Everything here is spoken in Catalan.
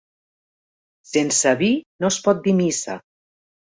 Sense vi no es pot dir missa.